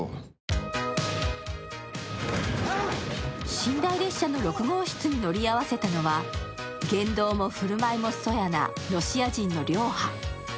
寝台列車の６号室に乗り合わせたのは言動も振る舞いも粗野なロシア人のリョーハ。